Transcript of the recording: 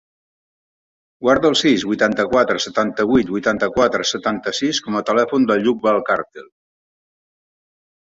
Guarda el sis, vuitanta-quatre, setanta-vuit, vuitanta-quatre, setanta-sis com a telèfon del Lluc Valcarcel.